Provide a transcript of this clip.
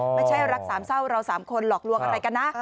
ไม่ใช่รักสามเศร้าเราสามคนหลอกลวงอะไรกันนะ